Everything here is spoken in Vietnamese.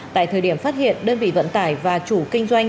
tại thời điểm phát hiện đơn vị vận tải và chủ kinh doanh